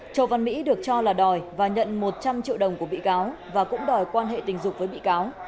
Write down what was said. châu văn mỹ được cho là đòi và nhận một trăm linh triệu đồng của bị cáo và cũng đòi quan hệ tình dục với bị cáo